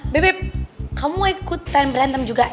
bebe kamu ikutan berantem juga